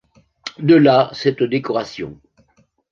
De là cette décoration.